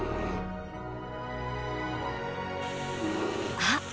あっ！